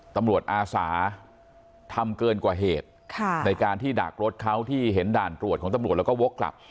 อาสาทำเกินกว่าเหตุในการที่ดักรถเขาที่เห็นด่านตรวจของตำรวจแล้วก็วกกลับ